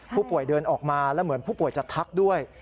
ผู้ป่วยเดินออกมาแล้วเหมือนผู้ป่วยจะทักด้วย